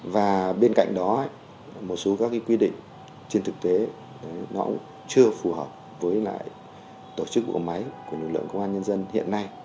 và bên cạnh đó một số các quy định trên thực tế nó cũng chưa phù hợp với lại tổ chức bộ máy của lực lượng công an nhân dân hiện nay